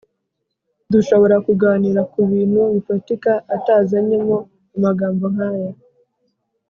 Dushobora kuganira ku bintu bifatika atazanyemo amagambo nk aya